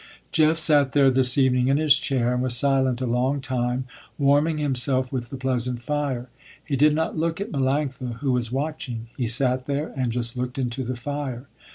Jeff sat there this evening in his chair and was silent a long time, warming himself with the pleasant fire. He did not look at Melanctha who was watching. He sat there and just looked into the fire.